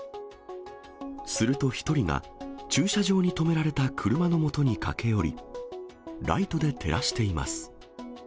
すると１人が、駐車場に止められた車のもとに駆け寄り、ライトで照らしています。